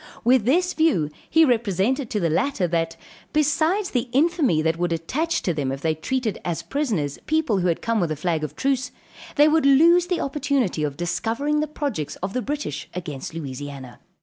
With this view he represented to the latter that, besides the infamy that would attach to them if they treated as prisoners people who had come with a flag of truce, they would lose the opportunity of discovering the projects of the British against Louisiana.